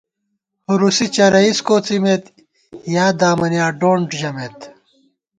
ہُرُوسی چرَئیز کوڅِمېت یا دامَنیا ڈونڈ ژَمېت